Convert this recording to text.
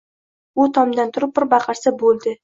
U tomdan turib bir baqirsa bo‘ldi.